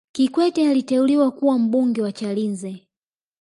kikwete aliteuliwa kuwa mbunge wa chalinze